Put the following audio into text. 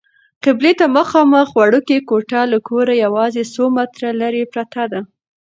قبلې ته مخامخ وړوکې کوټه له کوره یوازې څو متره لیرې پرته ده.